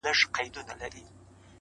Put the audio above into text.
• کله لس کله پنځلس کله شل وي ,